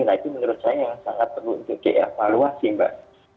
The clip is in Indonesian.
nah itu menurut saya yang sangat perlu untuk dievaluasi mbak